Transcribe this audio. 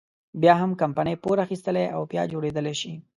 بيا هم کمپنۍ پور اخیستلی او بیا جوړېدلی شي.